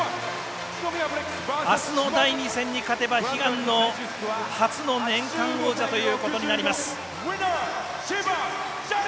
あすの第２戦に勝てば悲願の初の年間王者ということになります。